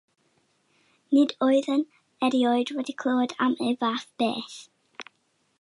Nid oeddwn erioed wedi clywed am y fath beth.